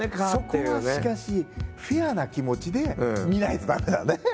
そこはしかしフェアな気持ちで見ないと駄目だね。